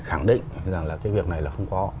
khẳng định rằng là cái việc này là không có